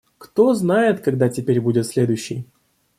Кто знает, когда теперь будет следующий.